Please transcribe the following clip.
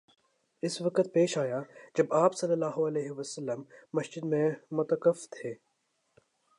اس وقت پیش آیا جب آپ صلی اللہ علیہ وسلم مسجد میں معتکف تھے